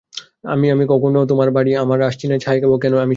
আমি-আমি কখখনো তোমার বাড়ি আর আসচিনে-আমি ছাই খাবো, কেন আমি ছাই খাবো?